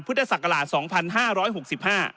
พฤศกราช๒๕๖๕